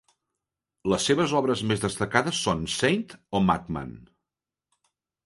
Les seves obres més destacades són "Saint or Madman?